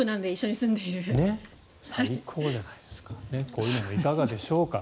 こういうのもいかがでしょうか。